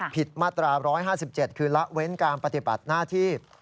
ผิดมาตรา๑๕๗คือละเว้นการปฏิบัติหน้าที่